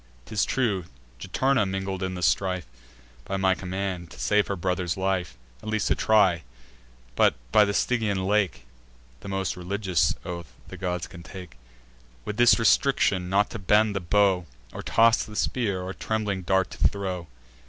'Tis true, Juturna mingled in the strife By my command, to save her brother's life, At least to try; but, by the Stygian lake, (The most religious oath the gods can take,) With this restriction, not to bend the bow, Or toss the spear, or trembling dart to throw.